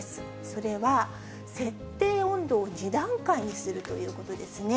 それは設定温度を２段階にするということですね。